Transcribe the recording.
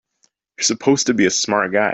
You're supposed to be a smart guy!